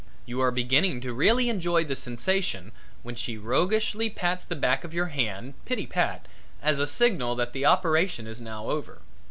You are beginning to really enjoy the sensation when she roguishly pats the back of your hand pitty pat as a signal that the operation is now over.